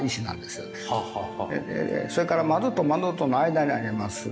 それから窓と窓との間にあります